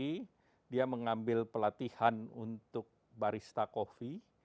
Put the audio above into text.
nah itu saya ingin mengambil pelatihan untuk barista ko fi